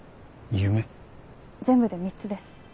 全部で３つです。